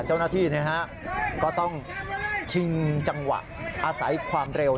เจ้าหน้าที่ก็ต้องชิงจังหวะอาศัยความเร็ว